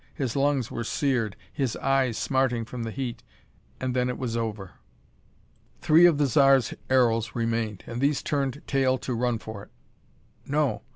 His lungs were seared; his eyes smarting from the heat. And then it was over. Three of the Zar's aeros remained, and these turned tail to run for it. No!